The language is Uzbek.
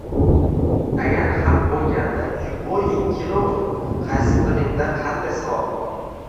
Agar haq bo‘lganda, «lyuboying kelovr, qaysi biringda qanday savol bor?